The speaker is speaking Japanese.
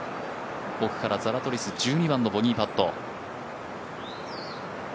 奥からザラトリス１２番のボギーパット。